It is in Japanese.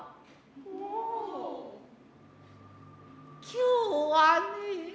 今日はね